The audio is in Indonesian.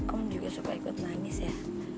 om juga suka ikut nangis ya